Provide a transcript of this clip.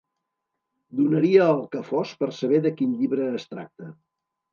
Donaria el que fos per saber de quin llibre es tracta.